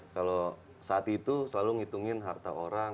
kalau saat itu selalu ngitungin harta orang